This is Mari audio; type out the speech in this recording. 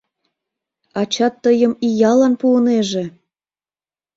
Ачат тыйым иялан пуынеже!